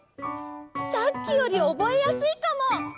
さっきよりおぼえやすいかも！